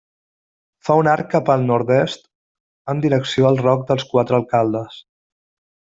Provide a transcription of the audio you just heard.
Fa un arc cap al nord-est en direcció al Roc dels Quatre Alcaldes.